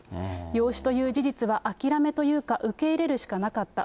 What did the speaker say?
養子という事実は諦めというか受け入れるしかなかった。